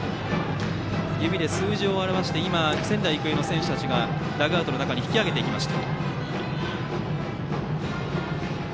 指で数字を表して仙台育英の選手たちがダグアウトの中に引き揚げていきました。